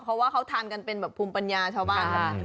เพราะว่าเขาทานกันเป็นแบบภูมิปัญญาชาวบ้าน